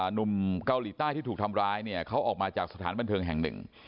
หนุ่มเกาหลีใต้ที่ถูกทำร้ายเนี่ยเขาออกมาจากสถานบันเทิงแห่งหนึ่ง